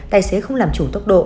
tài xế không làm chủ tốc độ